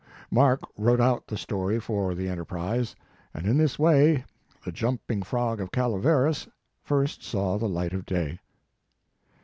Mark wrote out the story for the Enterprise, and in this way "The Jump ing Frog of Calaveras" first saw the light oi day.